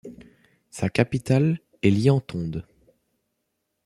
Sa capitale est Lyantonde.